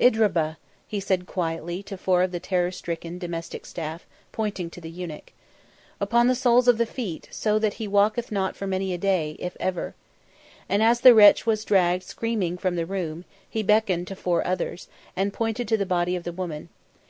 "Idrabuh," he said quietly to four of the terror stricken domestic staff, pointing to the eunuch. "Upon the soles of the feet so that he walketh not for many a day if ever." And as the wretch was dragged screaming from the room, he beckoned to four others, and pointed to the body of the woman.